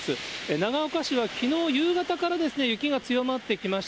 長岡市はきのう夕方から、雪が強まってきました。